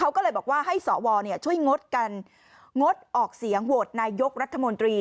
เขาก็เลยบอกว่าให้สวช่วยงดกันงดออกเสียงโหวตนายกรัฐมนตรี